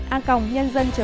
ancòng nhân dân